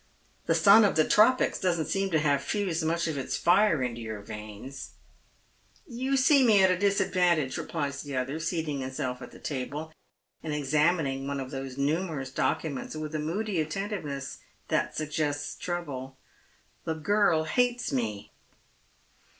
" The sun of the tropics doesn't seem to have infused much of its fir© into your veius " 262 Dead Mai's Shoe$. " You see me at a disadvantage'" replies the other, seating himself at the table, and examining one of those numerous docu ments with a moody attentiveness that suggests trouble. " The girl hates me."